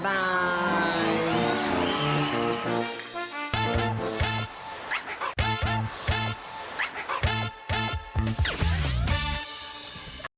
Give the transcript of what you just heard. สวัสดีครับ